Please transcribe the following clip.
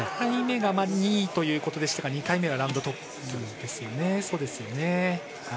１回目は２位ということでしたが２回目がラウンドトップですね。